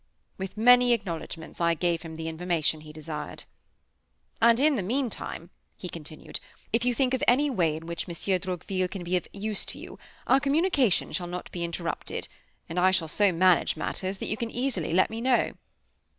With many acknowledgments I gave him, the information he desired. "And in the meantime," he continued, "if you think of any way in which Monsieur Droqville can be of use to you, our communication shall not be interrupted, and I shall so manage matters that you can easily let me know."